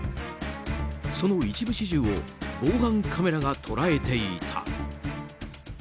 その一部始終を防犯カメラが捉えていた。